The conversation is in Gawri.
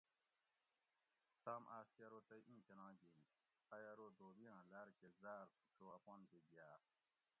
تام آۤس کہ ارو تئی اِیں کۤناں گِھینت؟ ائی ارو دھوبیاۤں لاۤر کہ زاۤر تُھو چو اپانکہ گِھیاۤ